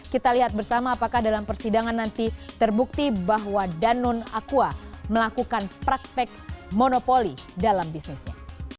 kita lihat bersama apakah dalam persidangan nanti terbukti bahwa danon aqua melakukan praktek monopoli dalam bisnisnya